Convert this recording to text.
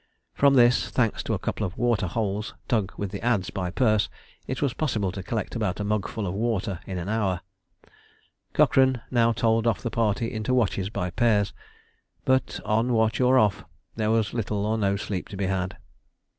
From this, thanks to a couple of water holes dug with the adze by Perce, it was possible to collect about a mugful of water in an hour. Cochrane now told off the party into watches by pairs; but, on watch or off, there was little or no sleep to be had.